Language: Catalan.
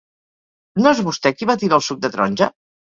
¿No és vostè qui va tirar el suc de taronja?